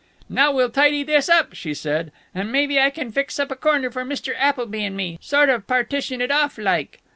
"Now we'll tidy this up," she said, "and maybe I can fix up a corner for Mr. Appleby and me sort of partition it off like."